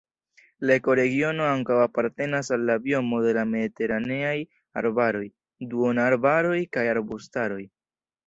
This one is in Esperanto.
La ekoregiono ankaŭ apartenas al la biomo de la mediteraneaj arbaroj, duonarbaroj kaj arbustaroj.